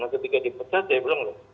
ketika dipecat saya bilang loh